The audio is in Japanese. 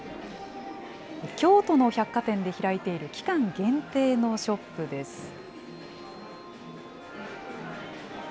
京都の百貨店で開いている期間限定のショップです。